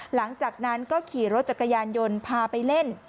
หลังจากนั้นก็ขี่รถจักรยานยนต์พาไปเล่น